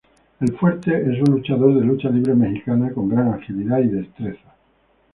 El Fuerte es un luchador de lucha libre mexicana con gran agilidad y destreza.